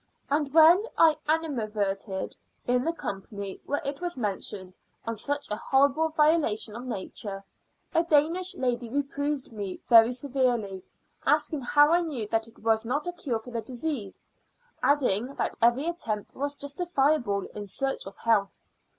And when I animadverted in the company, where it was mentioned, on such a horrible violation of nature, a Danish lady reproved me very severely, asking how I knew that it was not a cure for the disease? adding, that every attempt was justifiable in search of health.